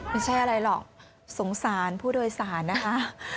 ไม่ใช่อะไรหรอกสงสารผู้โดยสารนะคะ